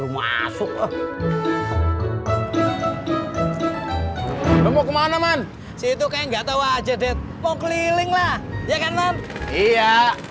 mau kemana man situ kayak nggak tahu aja deh mau keliling lah ya kan iya